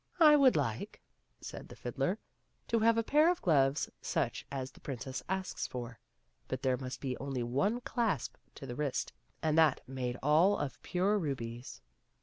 " I would like," said the fiddler, " to have a pair of gloves such as the princess asks for. But there must be only one clasp to the wrist, and that made all of pure rubies."